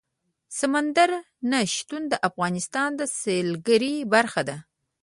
سمندر نه شتون د افغانستان د سیلګرۍ برخه ده.